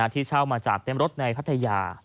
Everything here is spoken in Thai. ที่เช่ามาจากเต็มรถในพัทยา